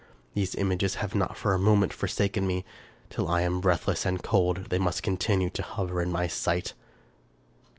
These images have not for a moment forsaken me. Till I am breathless and cold, they must continue to hover in my sight.